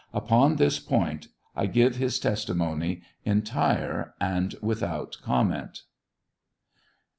Upon this point I give his testimony entire and without comment.